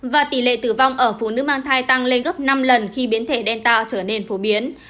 và tỷ lệ tử vong ở phụ nữ mang thai tăng lên gấp năm lần khi biến thể đen tạo trở nên phổ biến